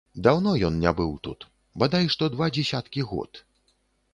Даўно ён не быў тут, бадай што два дзесяткі год.